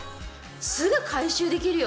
すぐ回収できるよ。